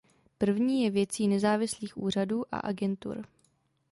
První je věcí nezávislých úřadů a agentur.